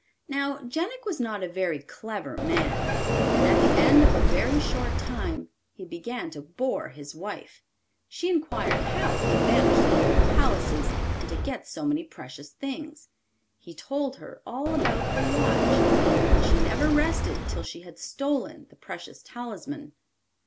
Now Jenik was not a very clever man, and at the end of a very short time he began to bore his wife. She inquired how he managed to build palaces and to get so many precious things. He told her all about the watch, and she never rested till she had stolen the precious talisman.